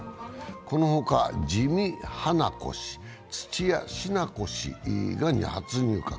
このほか、自見英子氏、土屋品子氏が初入閣。